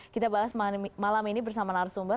kita bahas malam ini bersama narasumber